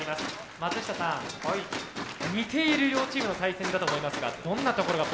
松下さん似ている両チームの対戦だと思いますがどんなところがポイントになりそうですか？